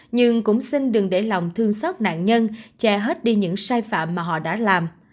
nhưng cũng xin đừng để lòng thương xót nạn nhân che hết đi những sai phạm mà họ đã làm